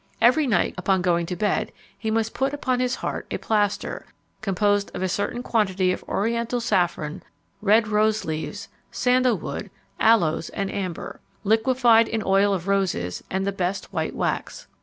Every night, upon going to bed, he must put upon his heart a plaster, composed of a certain quantity of oriental saffron, red rose leaves, sandal wood, aloes, and amber, liquified in oil of roses and the best white wax.